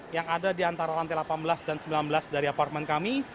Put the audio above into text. yang ada di antara lantai delapan belas dan sembilan belas dari apartemen kami